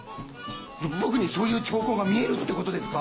僕にそういう兆候が見えるってことですか！？